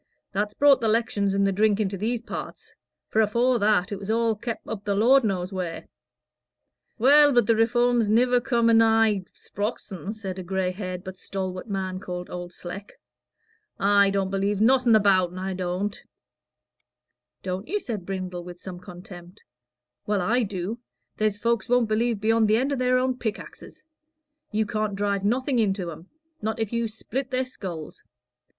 "That's brought the 'lections and the drink into these parts; for afore that, it was all kep' up the Lord knows wheer." "Well, but the Reform's niver come anigh Sprox'on," said a gray haired but stalwart man called Old Sleck. "I don't believe nothing about'n, I don't." "Don't you?" said Brindle, with some contempt. "Well, I do. There's folks won't believe beyond the end o' their own pickaxes. You can't drive nothing into 'em, not if you split their skulls.